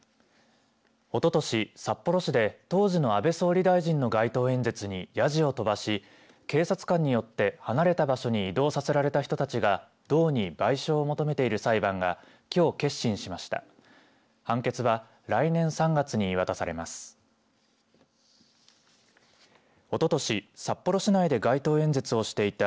おととし、札幌市で当時の安倍総理大臣の街頭演説にやじを飛ばし、警察官によって離れた場所に移動させられた人たちが道に賠償を求めている裁判がきょう結審しました。